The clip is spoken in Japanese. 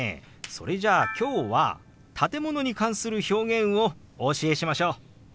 それじゃあ今日は建物に関する表現をお教えしましょう！